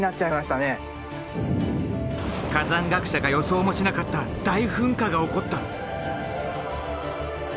火山学者が予想もしなかった大噴火が起こった。